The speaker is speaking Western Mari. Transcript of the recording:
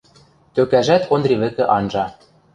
Тӧкӓжӓт Ондри вӹкӹ анжа.